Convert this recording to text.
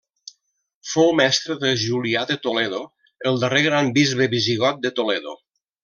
Fou mestre de Julià de Toledo, el darrer gran bisbe visigot de Toledo.